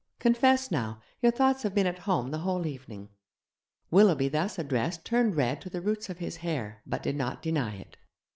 Confess now your thoughts have been at home the whole evening.' Willoughby thus addressed turned red to the roots of his hair, but did not deny it.